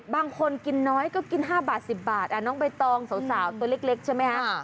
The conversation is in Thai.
บางคนกินน้อยก็กิน๕บาท๑๐บาทน้องใบตองสาวตัวเล็กใช่ไหมฮะ